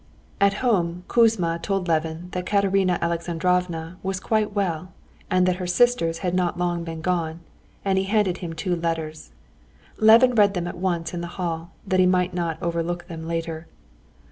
At home Kouzma told Levin that Katerina Alexandrovna was quite well, and that her sisters had not long been gone, and he handed him two letters. Levin read them at once in the hall, that he might not overlook them later.